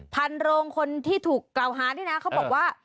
พันโรงคนที่ถูกกล่าวหานี่นะเขาบอกว่า